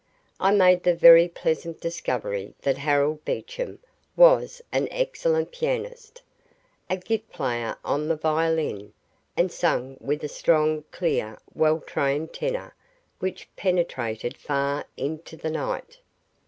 I made the very pleasant discovery that Harold Beecham was an excellent pianist, a gifted player on the violin, and sang with a strong, clear, well trained tenor, which penetrated far into the night.